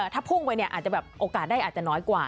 ถ้าพุ่งไปเนี่ยอาจจะแบบโอกาสได้อาจจะน้อยกว่า